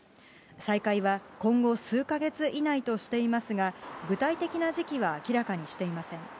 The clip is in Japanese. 再開は今後数か月以内としていますが、具体的な時期は明らかにしていません。